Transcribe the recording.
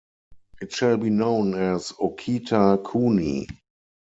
It shall be known as Okita-Kuni!